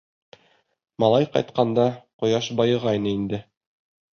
Малай ҡайтҡанда, ҡояш байығайны инде.